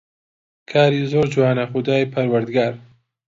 کاری زۆر جوانە خودای پەروەردگار